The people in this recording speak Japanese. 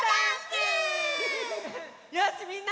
よしみんな！